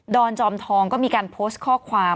อนจอมทองก็มีการโพสต์ข้อความ